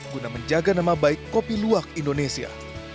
guna menjaga nama baik kopi luwak indonesia